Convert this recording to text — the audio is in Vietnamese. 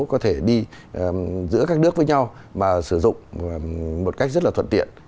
có thể đi giữa các nước với nhau mà sử dụng một cách rất là thuận tiện